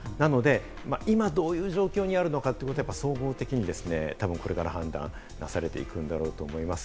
なので、今どういう状況にあるのか、総合的に、たぶんこれから判断されていくんだろうと思います。